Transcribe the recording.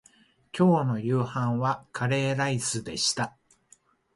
今日の夕飯はカレーライスでした